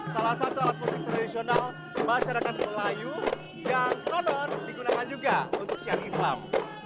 salah satu alat musik tradisional bahasa dekat melayu yang non non digunakan juga untuk syarikat islam